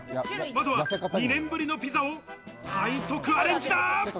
まずは２年ぶりのピザを背徳アレンジだ。